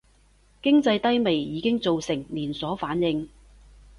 經濟低迷已經造成連鎖反應